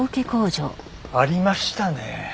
ありましたね。